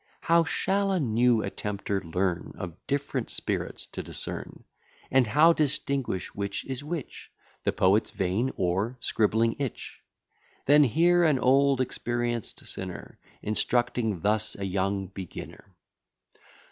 How shall a new attempter learn Of different spirits to discern, And how distinguish which is which, The poet's vein, or scribbling itch? Then hear an old experienced sinner, Instructing thus a young beginner.